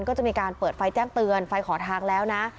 ก็จะมีการเปิดไฟแจ้งเตือนไฟขอทางแล้วนะ